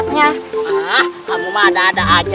pasti ada ada saja